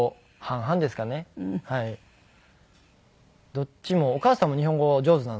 どっちもお母さんも日本語上手なので。